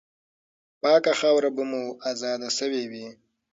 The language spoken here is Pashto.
پاکه خاوره به مو آزاده سوې وي.